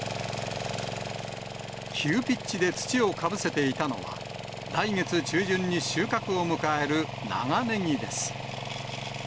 急ピッチで土をかぶせていたのは、来月中旬に収穫を迎える長ネギです。